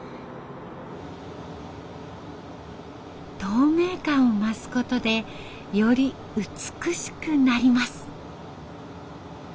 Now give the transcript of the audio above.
透明感を増すことでより美しくなります。